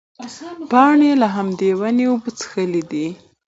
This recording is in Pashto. پاڼې له همدې ونې اوبه څښلې دي.